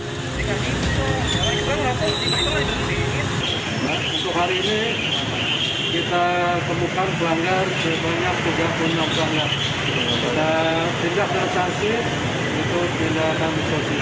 kita temukan bahaya sebanyak tiga puluh enam tahun kita tidak berhentikan itu tidak akan diselamatkan